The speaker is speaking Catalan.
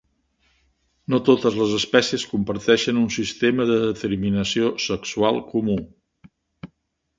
No totes les espècies comparteixen un sistema de determinació sexual comú.